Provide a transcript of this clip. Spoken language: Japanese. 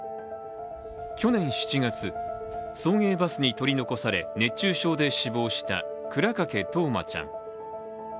去年７月、送迎バスに取り残され熱中症で死亡した倉掛冬生ちゃん。